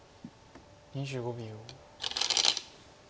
２５秒。